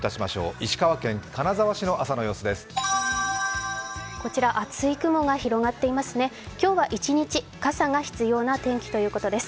石川県金沢市の朝の様子です。